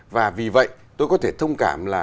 và vì vậy tôi có thể thông cảm là